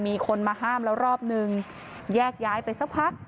มีคนมาห้ามแล้วรอบนึงแยกย้ายไปสักพัก